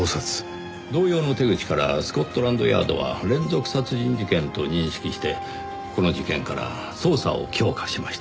同様の手口からスコットランドヤードは連続殺人事件と認識してこの事件から捜査を強化しました。